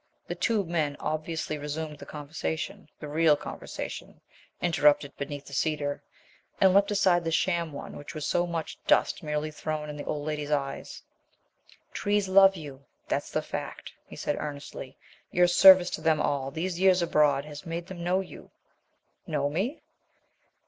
The two men obviously resumed the conversation the real conversation interrupted beneath the cedar and left aside the sham one which was so much dust merely thrown in the old lady's eyes. "Trees love you, that's the fact," he said earnestly. "Your service to them all these years abroad has made them know you." "Know me?"